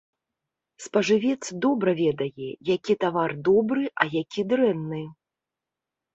Спажывец добра ведае, які тавар добры, а які дрэнны.